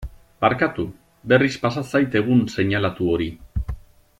Barkatu, berriz pasa zait egun seinalatu hori.